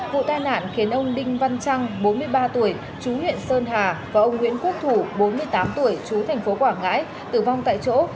vụ tai nạn khiến ông đinh văn trăng bốn mươi ba tuổi chú huyện sơn hà và ông nguyễn quốc thủ bốn mươi tám tuổi chú thành phố quảng ngãi tử vong tại chỗ